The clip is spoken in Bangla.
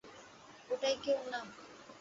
ওটাই কি ওর নাম?